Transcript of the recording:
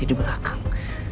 dia di belakang